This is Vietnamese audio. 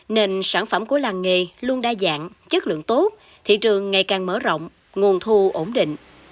nên sản phẩm của làng nghề luôn đa dạng chất lượng tốt thị trường ngày càng mở rộng nguồn thu ổn định